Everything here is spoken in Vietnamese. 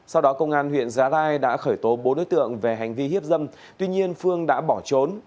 sau đó công an huyện giá rai đã khởi tố bốn đối tượng về hành vi hiếp dâm tuy nhiên phương đã bỏ trốn